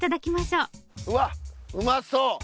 うわうまそう！